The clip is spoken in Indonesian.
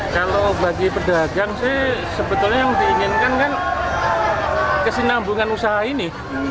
kalau bagi pedagang sih sebetulnya yang diinginkan kan kesinambungan usaha ini